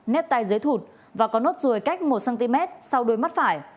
nếp tay dưới thụt và có nốt ruồi cách một cm sau đuôi mắt phải